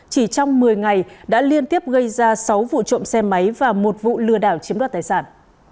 chỉ trong một mươi ngày đã liên tiếp gây ra sáu vụ trộm xe máy và một vụ lừa đảo chiếm đoạt tài sản